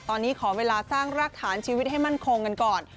ตอนนี้ขอเวลาสร้างรากฐานชีวิตให้มั่นคงกันก่อน